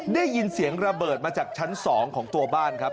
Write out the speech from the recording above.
ได้ยินเสียงระเบิดมาจากชั้น๒ของตัวบ้านครับ